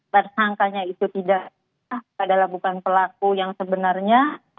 tersangkanya itu tidak adalah bukan pelaku yang sebenarnya